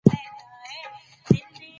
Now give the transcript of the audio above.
ټولنپوه وویل چي زه د پیښو عمومي پایلي ګورم.